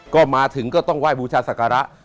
ก็มาถึงก็ต้องไหว้บูชาศักระ